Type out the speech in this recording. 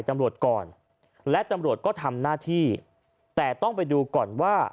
ตำรวจก่อนและตำรวจก็ทำหน้าที่แต่ต้องไปดูก่อนว่า